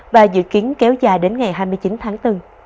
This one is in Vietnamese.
và dự kiến kéo dài đến ngày hai mươi chín tháng bốn